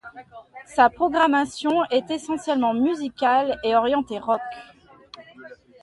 Sa programmation est essentiellement musicale et orientée rock.